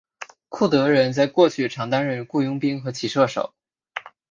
库德人在过去常担任雇佣兵和骑射手。